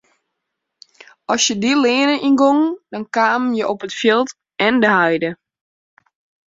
As je dy leane yngongen dan kamen je op it fjild en de heide.